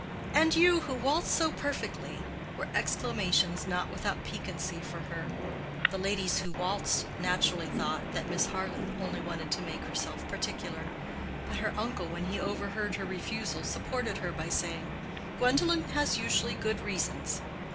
—"And you who waltz so perfectly!" were exclamations not without piquancy for her. The ladies who waltzed naturally thought that Miss Harleth only wanted to make herself particular; but her uncle when he overheard her refusal, supported her by saying, "Gwendolen has usually good reasons."